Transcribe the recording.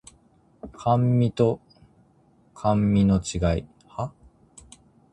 甘味と甘味の違い